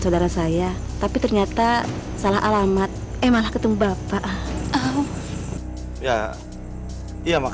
biar saya antar dia keluar